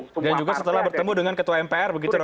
dan juga setelah bertemu dengan ketua mpr begitu romo ya